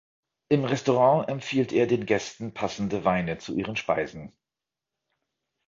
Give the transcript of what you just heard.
Im Restaurant empfiehlt er den Gästen passende Weine zu ihren Speisen.